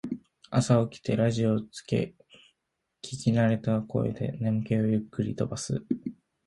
朝起きてラジオをつけ聞きなれた声で眠気をゆっくり飛ばす